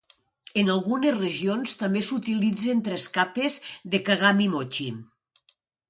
En algunes regions, també s'utilitzen tres capes de 'kagami mochi'.